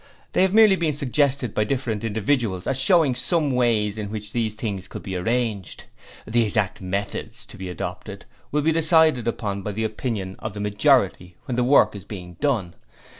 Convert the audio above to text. They have merely been suggested by different individuals as showing some ways in which these things could be arranged. The exact methods to be adopted will be decided upon by the opinion of the majority when the work is being done.